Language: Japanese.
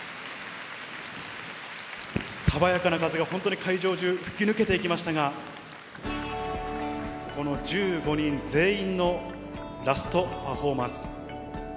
爽やかな風が本当に会場中、吹き抜けていきましたが、この１５人全員のラストパフォーマンス。